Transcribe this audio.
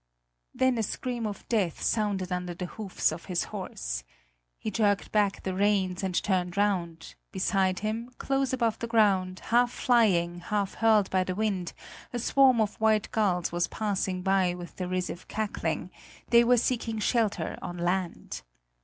Then a scream of death sounded under the hoofs of his horse. He jerked back the reins, and turned round: beside him, close above the ground, half flying, half hurled by the wind, a swarm of white gulls was passing by with derisive cackling; they were seeking shelter on land.